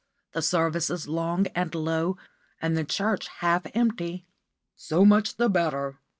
The service is long and low, and the church half empty." "So much the better."